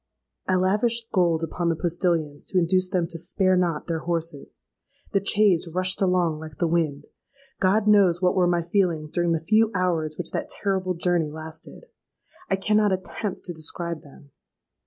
"I lavished gold upon the postillions to induce them to spare not their horses. The chaise rushed along like the wind. God knows what were my feelings during the few hours which that terrible journey lasted. I cannot attempt to describe them.